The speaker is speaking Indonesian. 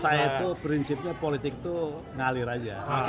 saya itu prinsipnya politik itu ngalir aja